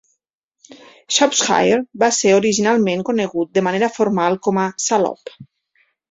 Shropshire va ser originalment conegut de manera formal com a 'Salop'.